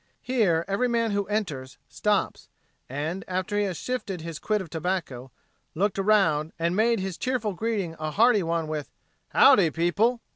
Here every man who enters stops; and, after he has shifted his quid of tobacco, looked around, and made his cheerful greeting a hearty one with, "Howdy people!"